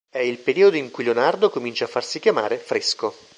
È il periodo in cui Leonardo comincia a farsi chiamare "Fresco".